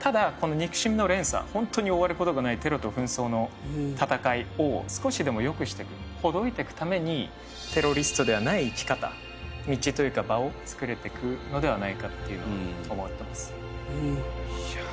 ただこの憎しみの連鎖ホントに終わる事がないテロと紛争の戦いを少しでも良くしていくほどいていくためにテロリストではない生き方道というか場を作れていくのではないかっていうふうに思ってます。